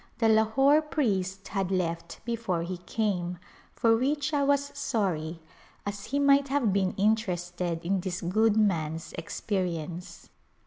The Lahore priest had left before he came, for which I was sorry, as he might have been interested in this good man's experience.